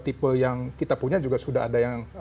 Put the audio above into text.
tipe yang kita punya juga sudah ada yang